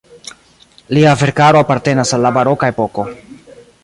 Lia verkaro apartenas al la baroka epoko.